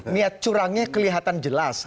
niat curangnya kelihatan jelas